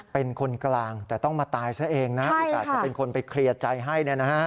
เป็นคนกลางแต่ต้องมาตายซะเองนะโอกาสจะเป็นคนไปเคลียร์ใจให้